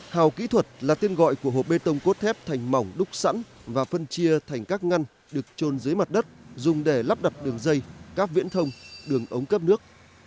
hào kỹ thuật là tên gọi của hộp bê tông cốt thép thành mỏng đúc sẵn và phân chia thành các ngăn được trôn dưới mặt đất dùng để lắp đặt đường dây cáp viễn thông đường ống cấp nước